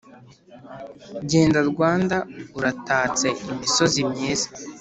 Genda Rwanda uratatse! Imisozi myiza